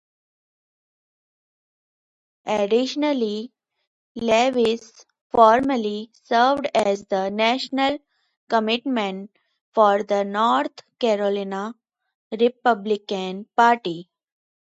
Additionally, Lewis formerly served as the National Committeeman for the North Carolina Republican Party.